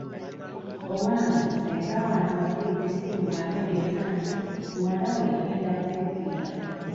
Owange ssenga wange ankubidde essimu ng'antegeeza nti muwala we agenda kutikkirwa.